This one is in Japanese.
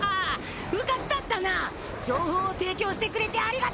うかつだったな情報を提供してくれてありがとう。